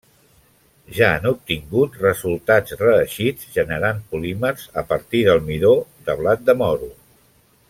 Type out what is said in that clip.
Ja han obtingut resultats reeixits generant polímers a partir del midó de blat de moro.